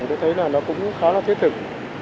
tôi thấy là nó cũng khá là thiết thực